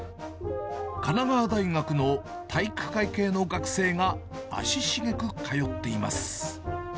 神奈川大学の体育会系の学生が足繁く通っています。